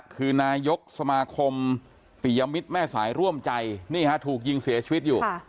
คือนายกสมาคมปิยมิตรแม่สายร่วมใจนี่ฮะถูกยิงเสียชีวิตอยู่